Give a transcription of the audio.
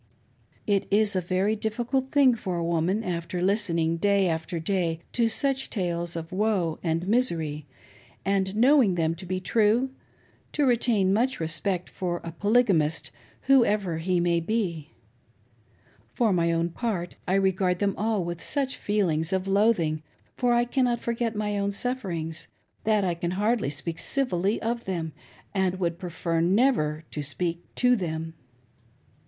It is a very difficult thing for a woman after listening, day "HE COULD jbST AS WELL MARRY HIMSELF!" ^2^ after day, to such tales 6i woe and misery, and knowing them to bte true, to retain much respect for a polygamist, whoever he may be. For my own part I regard them all with such feelings of loathing — for I cannot forget my own sufferings — that I can hiardly speak civilly of them, and would prefer never to speak to them.